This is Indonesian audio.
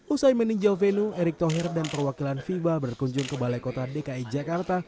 usai meninjau venue erick thohir dan perwakilan fiba berkunjung ke balai kota dki jakarta